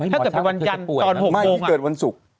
ถ้าเกิดเป็นวันจันทร์ตอน๖ไม่นี่เกิดวันศุกร์